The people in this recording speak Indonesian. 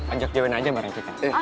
ajak diawin aja bareng kita